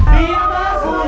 di atas bumi ini